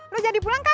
lu jadi pulang kah